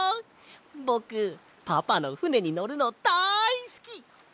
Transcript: ぼくパパのふねにのるのだいすき！